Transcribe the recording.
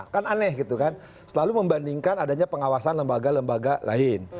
kan aneh gitu kan selalu membandingkan adanya pengawasan lembaga lembaga lain